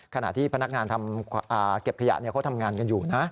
ขณะที่พนักงานทำเก็บขยะเขาทำงานกันอยู่นะ